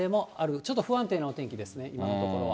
ちょっと不安定なお天気ですね、今のところは。